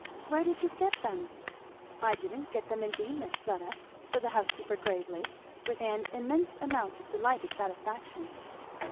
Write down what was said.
"Where did you get them?" "I didn't get them indeed, Miss Fleda," said the housekeeper gravely, with an immense amount of delighted satisfaction.